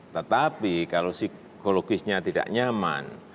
tetapi kalau psikologisnya tidak nyaman